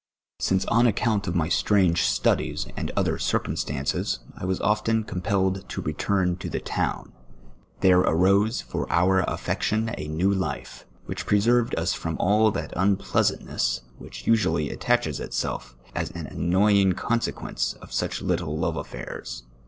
Since on accomit of my strange studies and other circum stances I was often compelled to return to the town, there arose for our affection a new life, which preseiTcd us from all that unpleasantness Mliich usually attiichcs itself as an annoy ing consequence to such little love affairs.